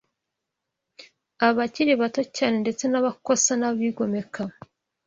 abakiri bato cyane, ndetse n’abakosa n’abigomeka